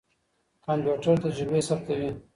کمپيوټر تجربې ثبتوي.